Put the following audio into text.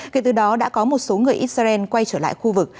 kể từ đó đã có một số người israel quay trở lại khu vực